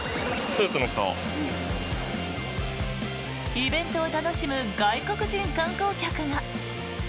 イベントを楽しむ外国人観光客が。